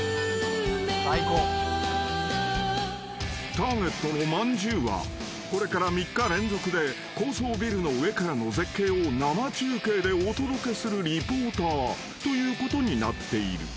［ターゲットのまんじゅうはこれから３日連続で高層ビルの上からの絶景を生中継でお届けするリポーターということになっている］